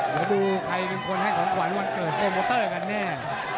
เดี๋ยวดูใครเป็นคนให้ของขวัญวันเกิดโปรโมเตอร์กันแน่